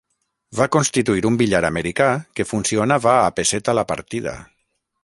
Va constituir un billar americà que funcionava a pesseta la partida.